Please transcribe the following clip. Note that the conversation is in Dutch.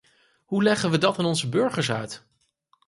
Hoe leggen we dat aan onze burgers uit?